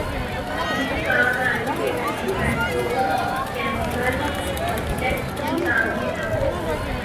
چین کا کراچی کے قریب پیٹرو کیمیکل کمپلیکس کی تعمیر کا منصوبہ